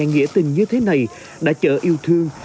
với tình như thế này đã chợ yêu thương